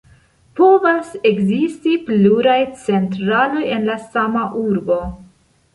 Povas ekzisti pluraj centraloj en la sama urbo.